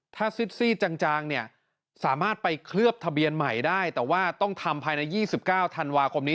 ถ้าซิดซี่จางเนี่ยสามารถไปเคลือบทะเบียนใหม่ได้แต่ว่าต้องทำภายใน๒๙ธันวาคมนี้